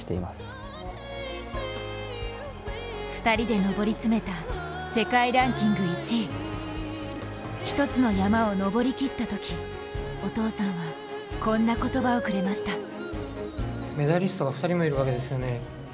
２人で上り詰めた世界ランキング１位一つの山を登り切ったときお父さんはこんな言葉をくれました